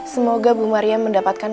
semoga bu maria mendapatkan